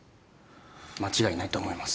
間違いないと思います。